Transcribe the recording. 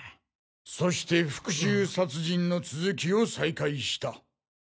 そして復讐殺人の続きを再開した。